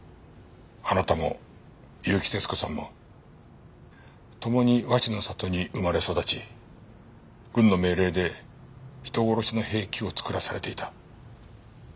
あなたも結城節子さんもともに和紙の里に生まれ育ち軍の命令で人殺しの兵器を作らされていた。